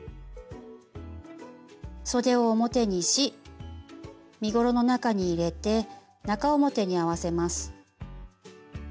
そでを表にし身ごろの中に入れて中表に合わせます。